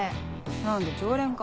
何だ常連か。